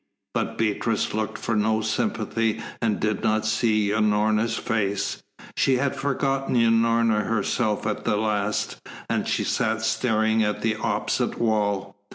But Beatrice looked for no sympathy and did not see Unorna's face. She had forgotten Unorna herself at the last, as she sat staring at the opposite wall.